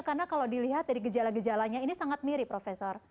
karena kalau dilihat dari gejala gejalanya ini sangat mirip prof